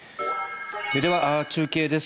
では、中継です。